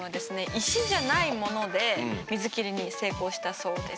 石じゃないもので水切りに成功したそうです。